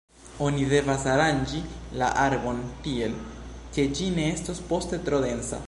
Oni devas aranĝi la arbon tiel, ke ĝi ne estos poste tro densa.